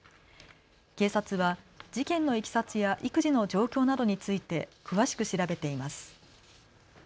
警察は事件のいきさつや育児の状況などについて詳しく調べています。